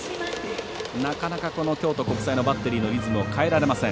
なかなか京都国際のバッテリーのリズムを変えられません。